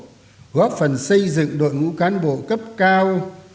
cán bộ góp phần xây dựng đội ngũ cán bộ cấp cao